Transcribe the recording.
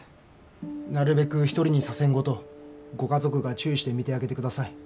なるべく一人にさせんごとご家族が注意して見てあげてください。